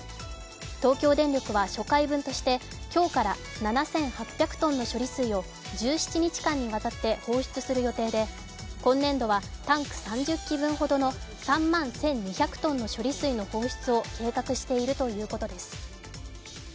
東京電力は初回分として今日から７８００ｔの処理水を１７日間にわたって放出する予定で今年度はタンク３０基分ほどの３万１２００ｔの処理水の放出を計画しているということです。